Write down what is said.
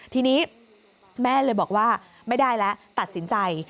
ทีนี้แม่เลยบอกว่าไม่ได้แล้วตัดสินใจ